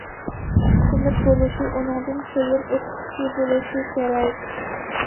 سىنىپ بولۇشى، ئۇنىڭدىن كېيىن ئوقۇتقۇچى بولۇشى كېرەك.